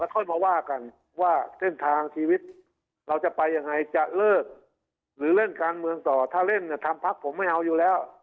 ค่อยมาว่ากันว่าเส้นทางชีวิตเราจะไปยังไงจะเลิกหรือเล่นการเมืองต่อถ้าเล่นเนี่ยทำพักผมไม่เอาอยู่แล้ว